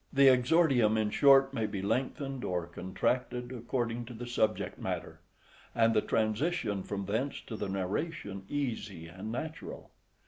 The exordium, in short, may be lengthened or contracted according to the subject matter, and the transition from thence to the narration easy and natural.